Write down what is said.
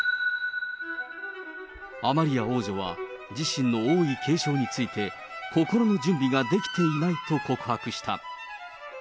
アマリア王女は、自身の王位継承について、心の準備ができていないと告白した。